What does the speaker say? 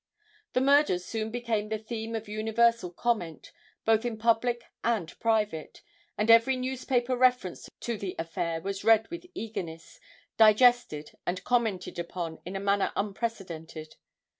The murders soon became the theme of universal comment, both in public and private, and every newspaper reference to the affair was read with eagerness, digested and commented upon in a manner unprecedented.